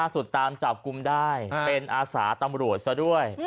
สุดตามจับกลุ่มได้เป็นอาสาตำรวจซะด้วย